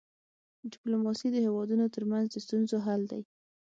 ډيپلوماسي د هيوادونو ترمنځ د ستونزو حل دی.